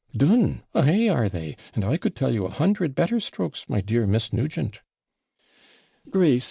'Done! ay, are they; and I could tell you a hundred better strokes, my dear Miss Nugent.' 'Grace!'